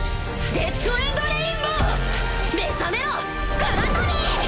デッド・エンド・レインボー‼目覚めろグラトニー！